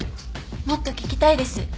もっと聞きたいです。